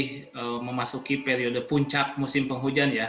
kita masih memasuki periode puncak musim penghujan ya